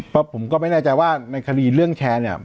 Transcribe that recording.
เพราะผมก็ไม่แน่ใจว่าในคดีเรื่องแชร์เนี่ย